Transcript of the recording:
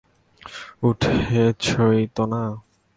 উঠছেই তো না!